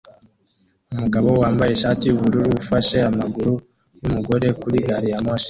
Umugabo wambaye ishati yubururu ufashe amaguru yumugore kuri gari ya moshi